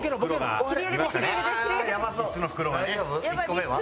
１個目は？